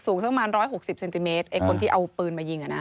สักประมาณ๑๖๐เซนติเมตรไอ้คนที่เอาปืนมายิงอ่ะนะ